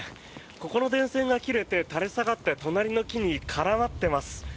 個々の電線が切れて垂れ下がって隣の木に絡まっています。